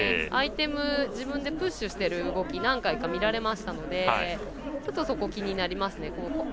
アイテム、自分でプッシュしてる動き何回か見られましたのでちょっとそこが気になりますね。